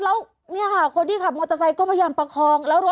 แล้วเนี่ยค่ะคนที่ขับมอเตอร์ไซค์ก็พยายามประคองแล้วรถ